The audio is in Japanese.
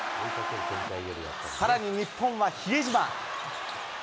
さらに日本は比江島。